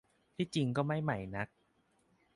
ที่จริงก็ไม่ใหม่นัก